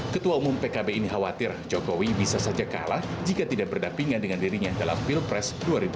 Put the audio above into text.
ketua umum pkb ini khawatir jokowi bisa saja kalah jika tidak berdapingan dengan dirinya dalam pilpres dua ribu dua puluh